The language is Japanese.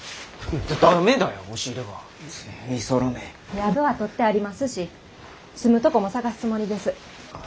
宿は取ってありますし住むとこも探すつもりです。